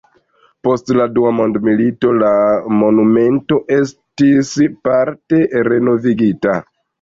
Post la dua mondmilito la monumento estis parte renovigita.